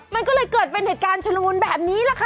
มันก็เลยเกิดเป็นเหตุการณ์ชุลมุนแบบนี้แหละค่ะ